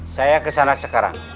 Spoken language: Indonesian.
saya kesana sekarang